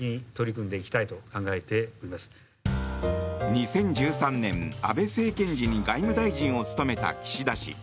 ２０１３年、安倍政権時に外務大臣を務めた岸田氏。